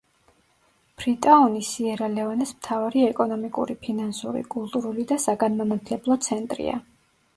ფრიტაუნი სიერა-ლეონეს მთავარი ეკონომიკური, ფინანსური, კულტურული და საგანმანათლებლო ცენტრია.